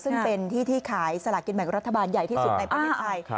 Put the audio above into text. ซึ่งเป็นที่ที่ขายสลากินแบ่งรัฐบาลใหญ่ที่สุดในประเทศไทย